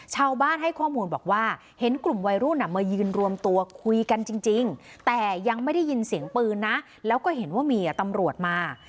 ชาวบ้านให้ข้อมูลบอกว่าเห็นกลุ่มวัยรุ่นมายืนรวมตัวคุยกันจริงแต่ยังไม่ได้ยินเสียงปืนนะแล้วก็เห็นว่ามีตำรวจมา